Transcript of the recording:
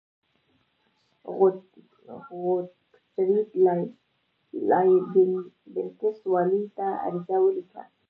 غوتفریډ لایبینټس والي ته عریضه ولیکله.